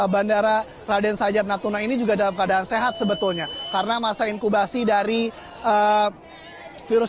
bandara raden sajat natuna ini juga dalam keadaan sehat sebetulnya karena masa inkubasi dari virus